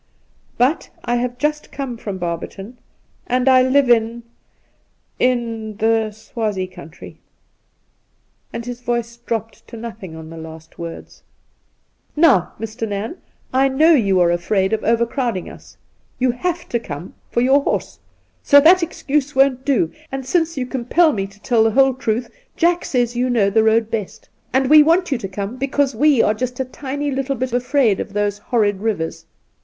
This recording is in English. ' But I have just come from Barberton, and I live in — in the Swazie country.' And his voice dropped to nothing on the last words. ' Now, Mr. Nairn, I know you are afraid of over crowding us. You have to come for your horse, so that excuse won't do ; and since you compel me to tell the whole truth, Jack says you know the road best, and we want you to come because we are just a tiny little bit afraid of those horrid rivers.